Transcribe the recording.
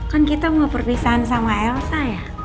kan kita mau perpisahan sama elsa ya